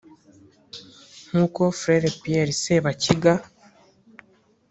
nk’uko Frere Pierre Sebakiga